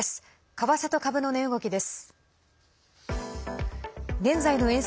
為替と株の値動きです。